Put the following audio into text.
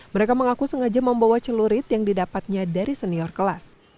mereka mengaku sengaja membawa celurit yang didapatnya dari senior kelas